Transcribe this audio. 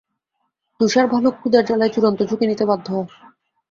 তুষার ভালুক ক্ষুধার জ্বালায় চূড়ান্ত ঝুঁকি নিতে বাধ্য হয়।